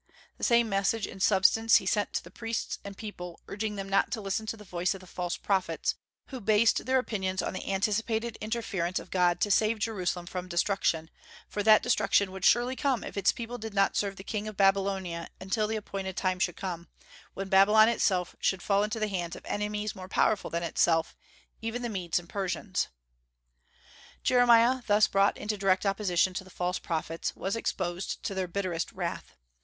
The same message in substance he sent to the priests and people, urging them not to listen to the voice of the false prophets, who based their opinions on the anticipated interference of God to save Jerusalem from destruction; for that destruction would surely come if its people did not serve the king of Babylonia until the appointed time should come, when Babylon itself should fall into the hands of enemies more powerful than itself, even the Medes and Persians. Jeremiah, thus brought into direct opposition to the false prophets, was exposed to their bitterest wrath.